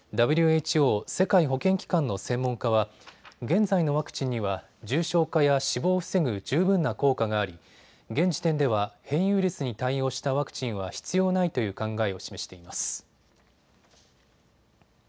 ＷＨＯ・世界保健機関の専門家は現在のワクチンには重症化や死亡を防ぐ十分な効果があり現時点では変異ウイルスに対応したワクチンは必要ないという考えを示しています。